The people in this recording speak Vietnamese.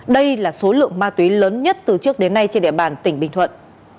đây là số lượng ma túy lớn nhất từ trước đến nay trên địa bàn tỉnh bình thuận